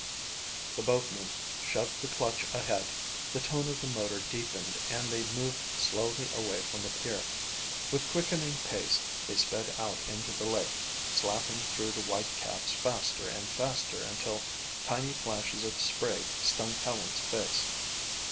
The boatman shoved the clutch ahead, the tone of the motor deepened and they moved slowly away from the pier. With quickening pace, they sped out into the lake, slapping through the white caps faster and faster until tiny flashes of spray stung Helen's face.